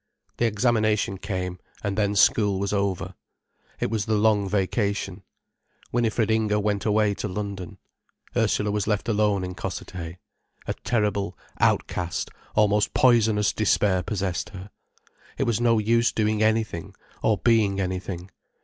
The examination came, and then school was over. It was the long vacation. Winifred Inger went away to London. Ursula was left alone in Cossethay. A terrible, outcast, almost poisonous despair possessed her. It was no use doing anything, or being anything.